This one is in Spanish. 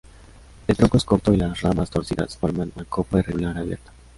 El tronco es corto y las ramas torcidas forman una copa irregular abierta.